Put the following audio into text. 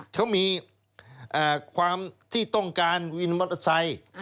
เขามีความที่ต้องการวินมอเตอร์ไซค์